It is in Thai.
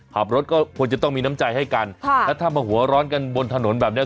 ขับรถก็ควรจะต้องมีน้ำใจให้กันค่ะแล้วถ้ามาหัวร้อนกันบนถนนแบบเนี้ย